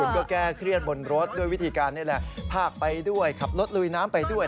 ก็แก้เครียดบนรถด้วยวิธีการนี่แหละพากไปด้วยขับรถลุยน้ำไปด้วย